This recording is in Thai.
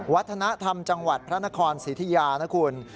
วัฒนธรรมจังหวัดพระนครศรีธุยานะคุณ